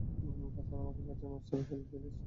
বাঁচান আমাকে বাঁচান অস্ত্র ফেলে দিন অস্ত্র ফেলে দিন।